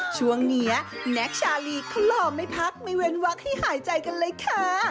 ช่วงนี้แน็กชาลีเขารอไม่พักไม่เว้นวักให้หายใจกันเลยค่ะ